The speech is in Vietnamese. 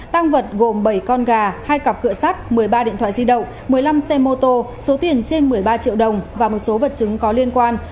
tăng vật gồm bảy con gà hai cặp cửa sắt một mươi ba điện thoại di động một mươi năm xe mô tô số tiền trên một mươi ba triệu đồng và một số vật chứng có liên quan